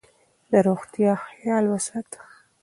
د روغتیا خیال وساته.